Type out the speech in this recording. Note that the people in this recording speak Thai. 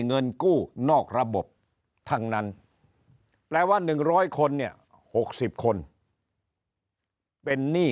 เงินกู้นอกระบบทั้งนั้นแปลว่า๑๐๐คนเนี่ย๖๐คนเป็นหนี้